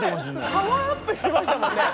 パワーアップしてましたもんね。